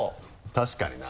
確かにな。